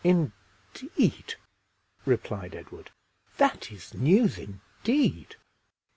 "Indeed!" replied Edward, "that is news indeed!